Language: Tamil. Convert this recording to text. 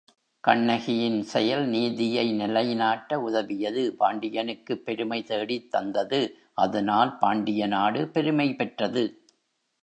கண்ணகியின் செயல் நீதியை நிலைநாட்ட உதவியது பாண்டியனுக்குப் பெருமை தேடித் தந்தது அதனால் பாண்டிய நாடு பெருமை பெற்றது.